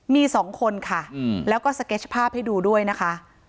มีสองคนค่ะแล้วก็สเก็ตภาพให้ดูด้วยนะคะ